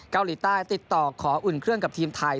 เกาหลีใต้ติดต่อขออุ่นเครื่องกับทีมไทย